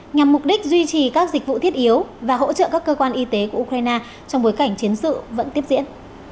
nhằm mục đích duy trì các dịch vụ thiết yếu và hỗ trợ các cơ quan y tế của ukraine trong bối cảnh chiến sự vẫn tiếp diễn